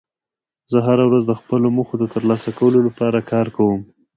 زه هره ورځ د خپلو موخو د ترلاسه کولو لپاره کار کوم